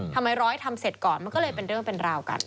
ร้อยทำเสร็จก่อนมันก็เลยเป็นเรื่องเป็นราวกัน